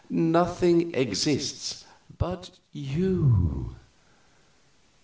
Nothing exists but you.